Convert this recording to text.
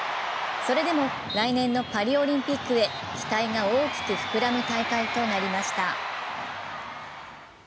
それでも来年のパリオリンピックへ期待が大きく膨らむ大会となりました。